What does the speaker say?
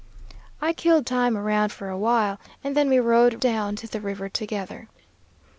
I killed time around for a while, and then we rode down to the river together.